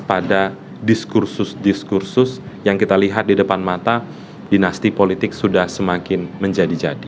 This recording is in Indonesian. pada diskursus diskursus yang kita lihat di depan mata dinasti politik sudah semakin menjadi jadi